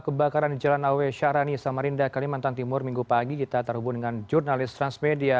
kebakaran di jalan awe syahrani samarinda kalimantan timur minggu pagi kita terhubung dengan jurnalis transmedia